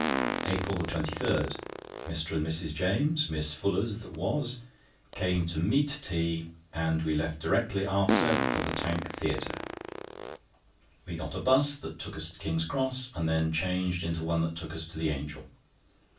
APRIL 23.—Mr. and Mrs. James (Miss Fullers that was) came to meat tea, and we left directly after for the Tank Theatre. We got a 'bus that took us to King's Cross, and then changed into one that took us to the "Angel."